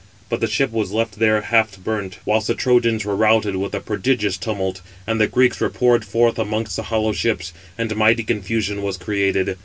But the ship was left there half burnt, whilst the Trojans were routed with a prodigious tumult: and the Greeks were poured forth amongst the hollow ships; and mighty confusion was created.